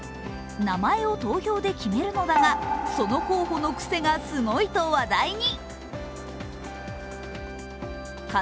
名前は投票で決めるのだが、その候補のクセがすごいと話題に。